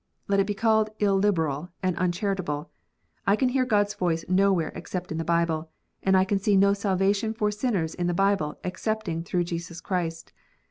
Let it be called illiberal and uncharitable. I can hear God s voice nowhere except in the Bible, and I can see no salvation for sinners in the Bible excepting through Jesus Christ.